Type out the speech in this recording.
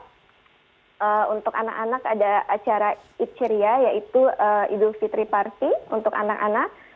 setelah sholat untuk anak anak ada acara icriah yaitu idul fitri party untuk anak anak